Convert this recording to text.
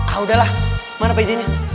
ah udahlah mana pj nya